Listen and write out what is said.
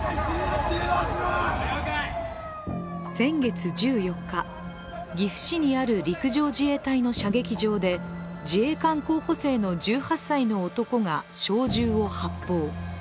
先月１４日、岐阜市にある陸上自衛隊の射撃場で自衛官候補生の１８歳の男が小銃を発砲。